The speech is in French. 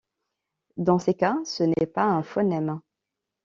Dans ces cas, ce n'est pas un phonème.